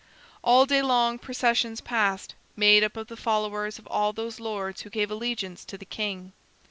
All day long processions passed, made up of the followers of all those lords who gave allegiance to the king.